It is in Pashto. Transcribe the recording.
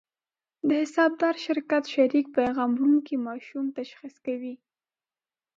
د حسابدار شرکت شریک پیغام وړونکي ماشوم تشخیص کوي.